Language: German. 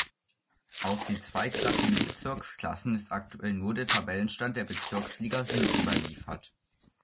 Aus den zweitklassigen Bezirksklassen ist aktuell nur der Tabellenstand der Bezirksliga Süd überliefert.